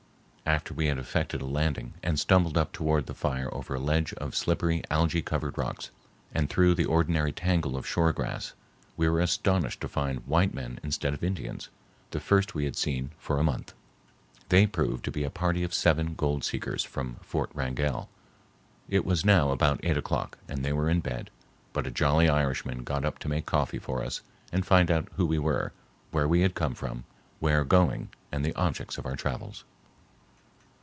After we had effected a landing and stumbled up toward the fire over a ledge of slippery, algæ covered rocks, and through the ordinary tangle of shore grass, we were astonished to find white men instead of Indians, the first we had seen for a month. They proved to be a party of seven gold seekers from Fort Wrangell. It was now about eight o'clock and they were in bed, but a jolly Irishman got up to make coffee for us and find out who we were, where we had come from, where going, and the objects of our travels.